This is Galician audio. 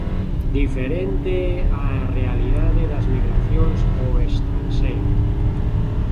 Diferente é a realidade das migracións ao estranxeiro.